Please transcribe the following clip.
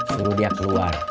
suruh dia keluar